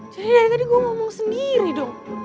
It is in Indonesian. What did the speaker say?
jadi dari tadi gue ngomong sendiri dong